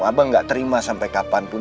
abang nggak terima sampai kapanpun